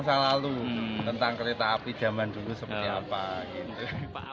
masa lalu tentang kereta api zaman dulu seperti apa gitu